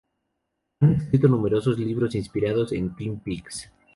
Se han escrito numerosos libros inspirados en Twin Peaks.